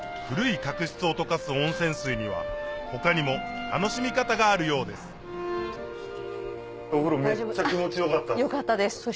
古い角質を溶かす温泉水には他にも楽しみ方があるようです